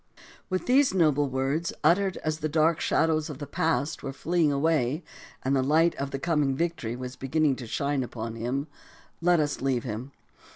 With these noble words, uttered as the dark shadows of the past were fleeing away and the light of the coming victory was beginning to shine upon him, let us leave him.